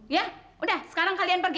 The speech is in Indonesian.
ya udah sekarang kalian pergi